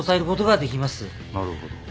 なるほど。